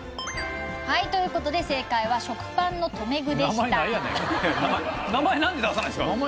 はいという事で正解は食パンの留め具でした。